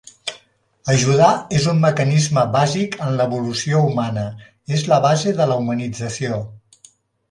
Ajudar és un mecanisme bàsic en l'evolució humana, és la base de la humanització.